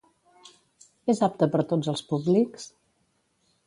És apte per tots els públics?